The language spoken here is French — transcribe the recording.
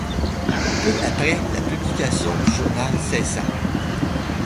Peu après, la publication du journal cessa.